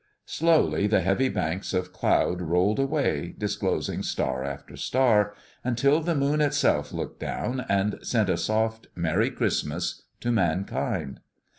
Slowly the heavy banks of cloud rolled away, disclosing star after star, until the moon itself looked down, and sent a soft "Merry Christmas" to mankind.